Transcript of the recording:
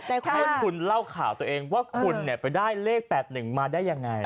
แต่ให้คุณเล่าข่าวตัวเองว่าคุณเนี่ยไปได้เลขแปดหนึ่งมาได้ยังไง